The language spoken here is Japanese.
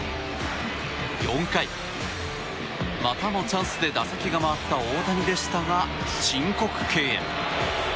４回、またもチャンスで打席が回った大谷でしたが申告敬遠。